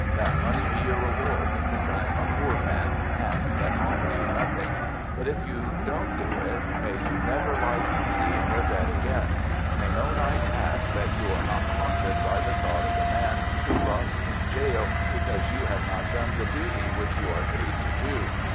That must be your reward, since I am a poor man and can offer you nothing. But if you don't do it, may you never lie easy in your bed again! May no night pass that you are not haunted by the thought of the man who rots in gaol because you have not done the duty which you are paid to do!